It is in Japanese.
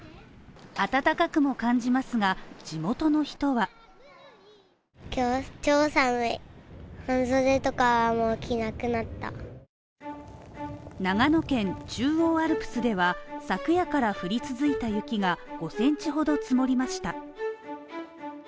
温かくも感じますが、地元の人は長野県・中央アルプスでは昨夜から降り続いた雪が５センチほど積もりました。